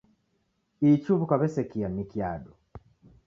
Ichi huw'u kwaw'esekia niki ado.